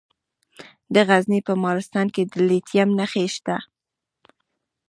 د غزني په مالستان کې د لیتیم نښې شته.